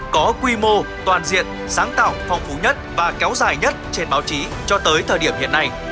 có quy mô toàn diện sáng tạo phong phú nhất và kéo dài nhất trên báo chí cho tới thời điểm hiện nay